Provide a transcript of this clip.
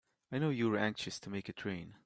I know you're anxious to make a train.